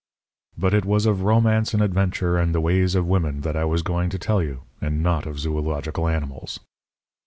"But is was of romance and adventure and the ways of women that was I going to tell you, and not of zoölogical animals.